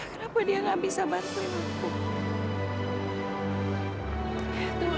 kenapa dia gak bisa bantuin aku